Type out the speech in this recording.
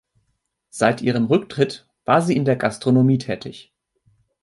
Seit ihrem Rücktritt war sie in der Gastronomie tätig.